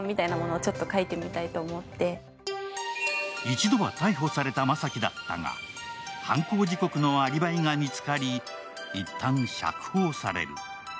一度は逮捕された雅樹だったが、犯行時刻のアリバイが見つかり、いったん釈放される。